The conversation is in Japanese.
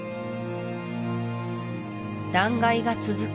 断崖が続く